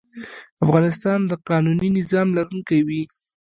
افغانستان د قانوني نظام لرونکی وي.